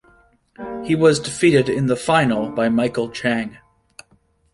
He was defeated in the final by Michael Chang.